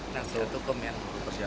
naksir hukum yang bersiap